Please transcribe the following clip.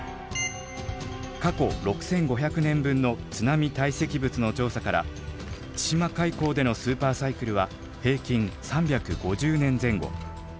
過去６，５００年分の津波堆積物の調査から千島海溝でのスーパーサイクルは平均３５０年前後。